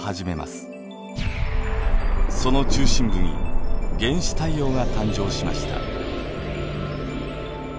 その中心部に原始太陽が誕生しました。